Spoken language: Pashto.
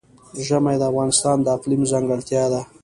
ژمی د افغانستان د اقلیم ځانګړتیا ده.